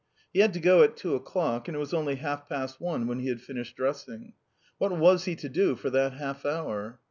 He had to go at two o'clock, and it was only half past one when he had finished dressing. What was he to do for that half hour?